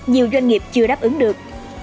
nhiều doanh nghiệp chưa đáp ứng được